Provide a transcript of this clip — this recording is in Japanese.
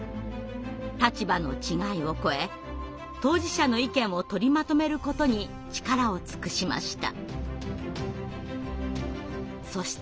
立場の違いを超え当事者の意見を取りまとめることに力を尽くしました。